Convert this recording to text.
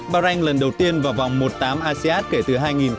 bahrain lần đầu tiên vào vòng một mươi tám m asean kể từ hai nghìn một mươi hai